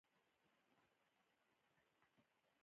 هو دا همغه نستوه و…